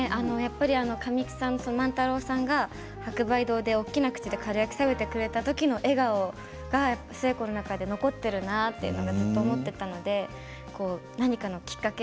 神木さん、万太郎さんが白梅堂で大きな口でかるやきを食べてくれた時の笑顔が寿恵子の中で残っているなと思って、何かのきっかけ